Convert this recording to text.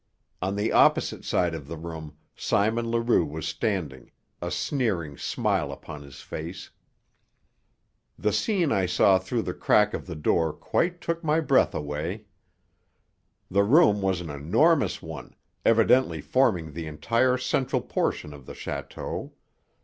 On the opposite side of the room Simon Leroux was standing, a sneering smile upon his face. The scene I saw through the crack of the door quite took my breath away. The room was an enormous one, evidently forming the entire central portion of the château.